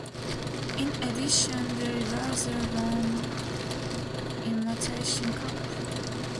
In addition the Reserves won the Huddersfield Invitation Cup.